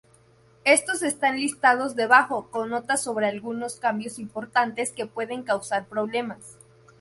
Estos están listados debajo, con notas sobre algunos cambios importantes que pueden causar problemas.